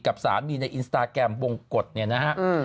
กับสามีในอินสตาแกรมวงกฎเนี่ยนะฮะ